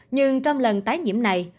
nhưng trong lần tái nhiễm này